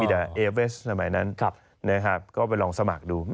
มีแต่เอเวสสมัยนั้นก็ไปลองสมัครดู